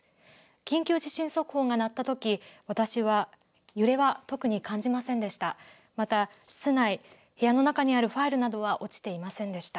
緊急地震速報が鳴ったとき、私は揺れは特に感じませんでした。